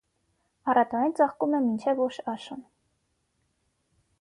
Առատորեն ծաղկում է մինչև ուշ աշուն։